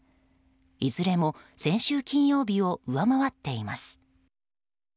いずれも先週金曜日を上回っています。